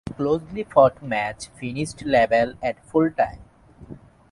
A closely fought match finished level at full time.